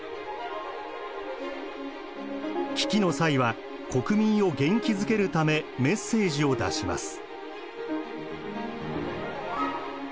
危機の際は国民を元気づけるためメッセージを出します。